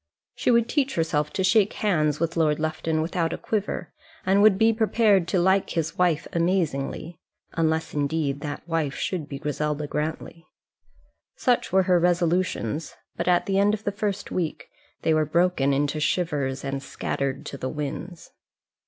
She would teach herself to shake hands with Lord Lufton without a quiver, and would be prepared to like his wife amazingly unless indeed that wife should be Griselda Grantly. Such were her resolutions; but at the end of the first week they were broken into shivers and scattered to the winds.